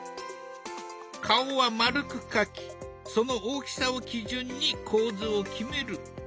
顔は丸く描きその大きさを基準に構図を決める。